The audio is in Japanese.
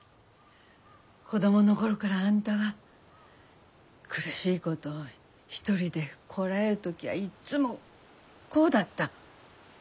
子供の頃からあんたが苦しいことを一人でこらえる時はいっつもこうだった。